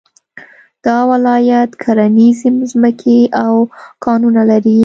دا ولايت کرنيزې ځمکې او کانونه لري